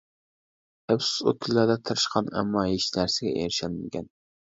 ئەپسۇس، ئۇ كۈنلەردە تىرىشقان ئەمما ھېچ نەرسىگە ئېرىشەلمىگەن.